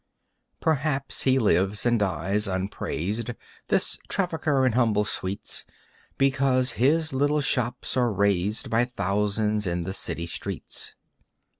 Perhaps he lives and dies unpraised, This trafficker in humble sweets, Because his little shops are raised By thousands in the city streets.